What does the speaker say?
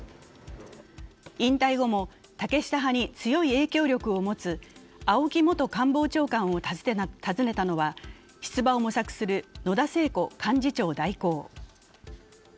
引退後も竹下派に強い影響力を持つ、青木元官房長官を訪ねたのは出馬を模索する野田聖子幹事長代行。